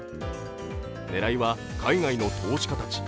狙いは海外の投資家たち。